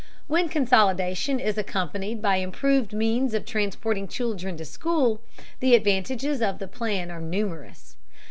When consolidation is accompanied by improved means of transporting children to school, the advantages of the plan are numerous.